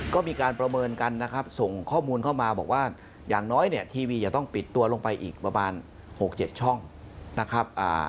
ก็มีการประเมินกันนะครับส่งข้อมูลเข้ามาบอกว่าอย่างน้อยเนี่ยทีวีจะต้องปิดตัวลงไปอีกประมาณ๖๗ช่องนะครับ